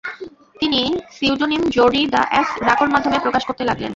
তিনি সিউডোনিম জোর্ডি দ্য'এস রাকোর মাধ্যমে প্রকাশ করতে লাগলেন।